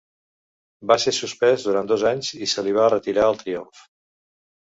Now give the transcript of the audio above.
Va ser suspès durant dos anys i se li va retirar el triomf.